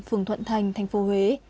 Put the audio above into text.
phường thuận thành tp huế